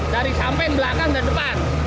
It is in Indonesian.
dari sampai belakang dan depan